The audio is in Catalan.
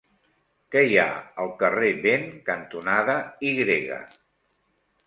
Què hi ha al carrer Vent cantonada Y?